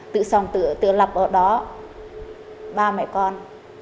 tự sống tự lập ở đó ba mẹ con